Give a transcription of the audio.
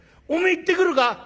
おめえ行ってくるか？」。